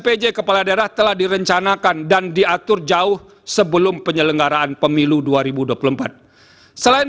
pj kepala daerah telah direncanakan dan diatur jauh sebelum penyelenggaraan pemilu dua ribu dua puluh empat selain